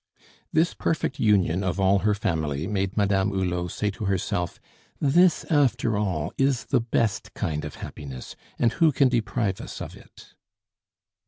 This perfect union of all her family made Madame Hulot say to herself, "This, after all, is the best kind of happiness, and who can deprive us of it?"